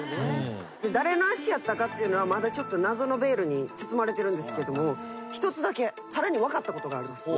誰の足やったかっていうのはまだ謎のベールに包まれてるんですけども１つだけさらに分かったことがあります。